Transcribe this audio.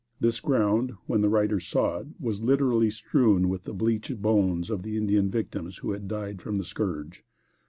This ground, when the writer saw it, was literally strewn with the bleached bones of the Indian victims who had died from the scourge.